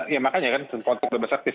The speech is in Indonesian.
ya makanya kan untuk bebas aktif